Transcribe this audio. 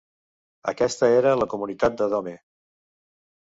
Aquesta era la comunitat de Dome.